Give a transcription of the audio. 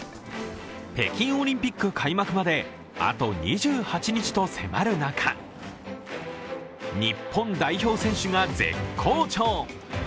北京オリンピック開幕まで、あと２８日と迫る中、日本代表選手が絶好調。